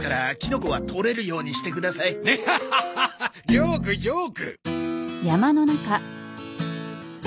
ジョークジョーク！